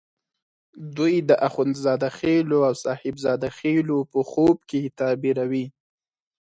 دوی د اخند زاده خېلو او صاحب زاده خېلو په خوب کې تعبیروي.